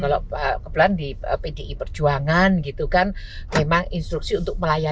kalau pelayan masyarakat ini masuk juga